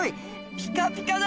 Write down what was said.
ピカピカだ。